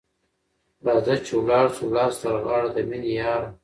راځه چي ولاړ سو لاس تر غاړه ، د میني یاره